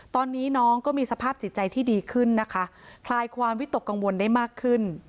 ตอนนี้น้องก็มีสภาพจิตใจที่ดีขึ้นนะคะคลายความวิตกกังวลได้มากขึ้น